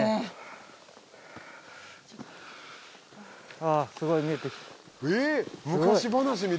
あぁすごい見えて来た。